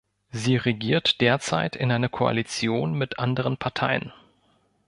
Sie regiert derzeit in einer Koalition mit anderen Parteien.